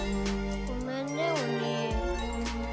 ごめんねお兄。